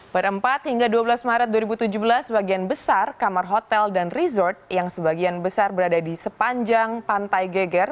pada empat hingga dua belas maret dua ribu tujuh belas sebagian besar kamar hotel dan resort yang sebagian besar berada di sepanjang pantai geger